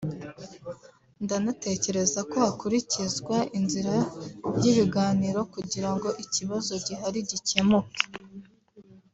ndanatekereza ko hakurikizwa inzira y’ibiganiro kugira ngo ikibazo gihari gikemuke”